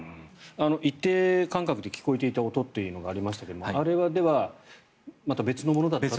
一定間隔で聞こえていた音がありましたがあれは、では、また別のものだったという。